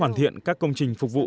hoàn thiện các công trình phục vụ